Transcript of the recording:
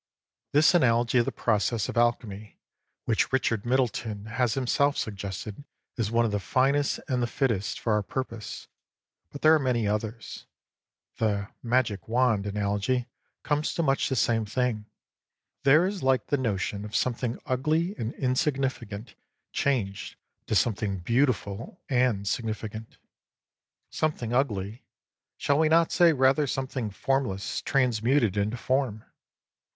This analogy of the process of alchemy which Richard Middleton has himself suggested is one of the finest and the fittest for our purpose ; but there are many others. The " magic wand " analogy comes to much the same thing; there is the like notion of something ugly and insigni ficant changed to something beautiful and signi ficant. Something ugly ; shall we not say rather something formless transmuted into form?